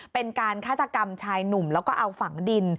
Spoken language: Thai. เป็นการฆาตกรรมชายหนุ่มแล้วก็เอาฝังดิน